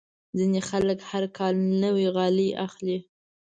ځینې خلک هر کال نوې غالۍ اخلي.